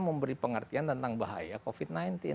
memberi pengertian tentang bahaya covid sembilan belas